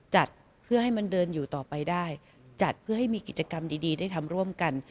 จัดเพื่อให้มันเดินอยู่ต่อไปได้จัดเพื่อให้มีกิจกรรมดีได้ทำร่วมกัน